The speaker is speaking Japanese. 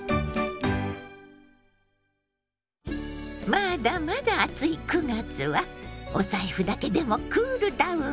まだまだ暑い９月はお財布だけでもクールダウン！